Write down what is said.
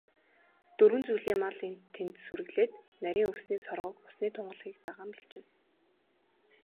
Дөрвөн зүйлийн мал энд тэнд сүрэглээд, нарийн өвсний соргог, усны тунгалгийг даган бэлчинэ.